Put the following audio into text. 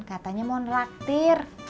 katanya mau ngeraktir